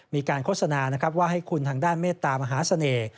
มีการโฆษณาว่าให้คุณทางด้านเมตตามหาเสน่ห์